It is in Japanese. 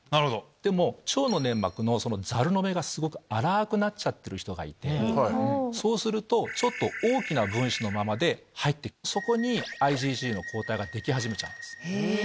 でも腸の粘膜のザルの目がすごく粗くなってる人がいてそうするとちょっと大きな分子のままで入ってそこにＩｇＧの抗体ができ始めちゃうんです。